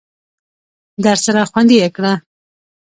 درسره خوندي یې کړه !